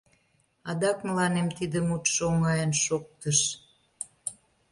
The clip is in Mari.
Адак мыланем тиде мутшо оҥайын шоктыш.